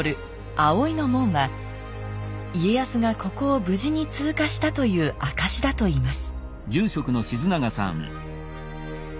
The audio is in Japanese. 葵の紋は家康がここを無事に通過したという証しだといいます